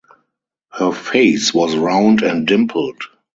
Her face was round and dimpled.